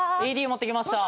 ＡＥＤを持ってきました。